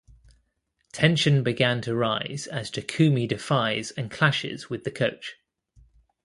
Tension began to rise as Takumi defies and clashes with the coach.